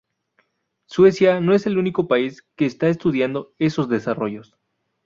Suecia no es el único país que está estudiando esos desarrollos.